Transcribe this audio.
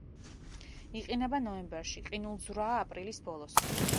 იყინება ნოემბერში, ყინულძვრაა აპრილის ბოლოს.